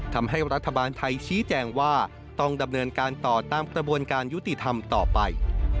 ทำให้รัฐบาลไทยชี้แจงว่าต้องดำเนินการต่อตามกระบวนการยุติธรรมต่อไป